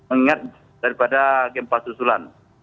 mengingat daripada gempa susulan